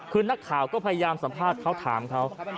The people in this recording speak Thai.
คือนักข่าวก็พยายามสัมภาษณ์เขาถามเขา